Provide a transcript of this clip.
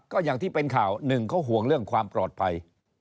ก็อย่างที่เป็นข่าวหนึ่งเขาห่วงเรื่องความปลอดภัย